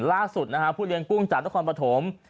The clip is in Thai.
ล่าสุดนะฮะผู้เลี้ยงกุ้งจากนครปฐม